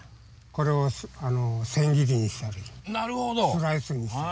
これを千切りにしたりスライスにしたり。